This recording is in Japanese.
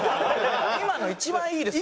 今の一番いいですよ。